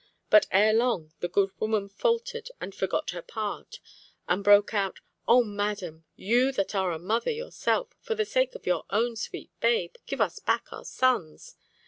but ere long the good woman faltered and forgot her part, and broke out 'Oh! madam, you that are a mother yourself, for the sake of your own sweet babe, give us back our sons.